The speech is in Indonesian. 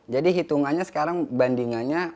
jadi hitungannya sekarang